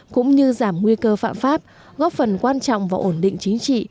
cũng như giảm nguy cơ phạm pháp góp phần quan trọng vào ổn định chính trị